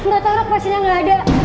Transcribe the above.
gak tau dok pasiennya gak ada